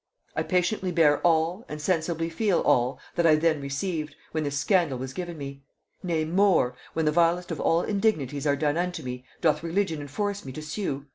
I patiently bear all, and sensibly feel all, that I then received, when this scandal was given me. Nay more, when the vilest of all indignities are done unto me, doth religion enforce me to sue?